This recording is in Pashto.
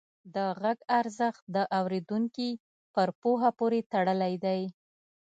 د غږ ارزښت د اورېدونکي پر پوهه پورې تړلی دی.